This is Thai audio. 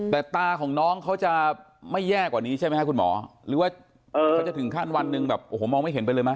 แต่ตาของน้องเขาจะไม่แย่กว่านี้ใช่ไหมครับคุณหมอหรือว่าเขาจะถึงขั้นวันหนึ่งแบบโอ้โหมองไม่เห็นไปเลยไหม